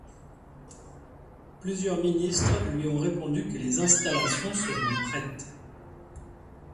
Plusieurs ministres lui ont répondu que les installations seront prêtes.